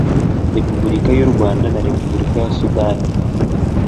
Repubulika y u Rwanda na Repubulika ya Sudani